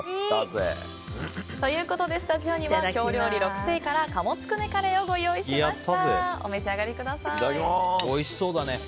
ということでスタジオには京料理六盛から鴨つくねカレーをご用意しました。